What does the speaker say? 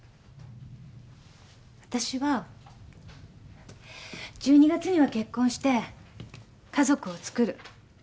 あたしは１２月には結婚して家族をつくる。